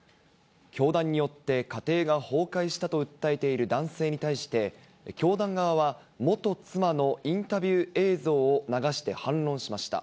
教団によって家庭が崩壊したと訴えている男性に対して、教団側は元妻のインタビュー映像を流して反論しました。